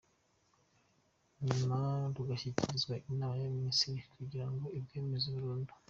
Nyuma rugashyikirizwa Inama y’Abaminisitiri kugira ngo irwemeze burundu.